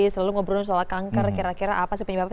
selalu ngobrol soal kanker kira kira apa sih penyebabnya